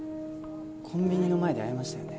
コンビニの前で会いましたよね